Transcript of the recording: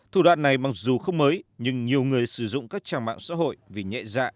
thủ đoạn này mặc dù không mới nhưng nhiều người sử dụng các trang mạng xã hội vì nhẹ dạ